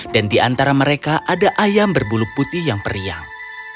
dan di antara mereka ada ayam berbulu putih yang periang